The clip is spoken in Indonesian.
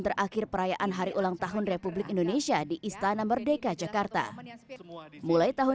terakhir perayaan hari ulang tahun republik indonesia di istana merdeka jakarta mulai tahun